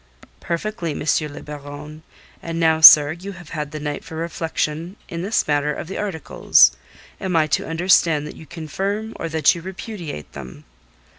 "Perfectly, M. le Baron. And now, sir, you have had the night for reflection in this matter of the articles. Am I to understand that you confirm or that you repudiate them?"